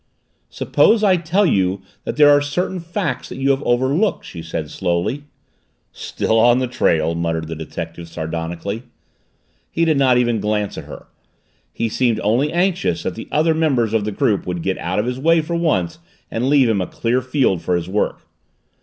"Suppose I tell you that there are certain facts that you have overlooked?" she said slowly. "Still on the trail!" muttered the detective sardonically. He did not even glance at her. He seemed only anxious that the other members of the group would get out of his way for once and leave him a clear field for his work.